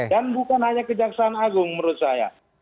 dan bukan hanya kejaksaan agung menurut saya